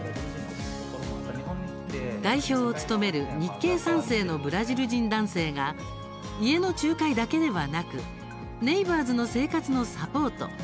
代表を務める日系三世のブラジル人男性が家の仲介だけではなくネイバーズの生活のサポート